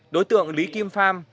đối tượng lý kim pham